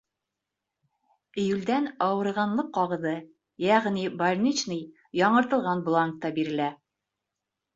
- июлдән ауырығанлыҡ ҡағыҙы, йәғни больничный яңыртылған бланкта бирелә.